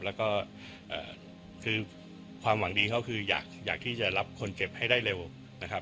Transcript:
แล้วก็คือความหวังดีเขาคืออยากที่จะรับคนเจ็บให้ได้เร็วนะครับ